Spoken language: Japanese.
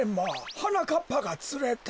はなかっぱがつれた。